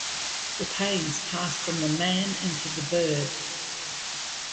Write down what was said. The pains passed from the man into the bird.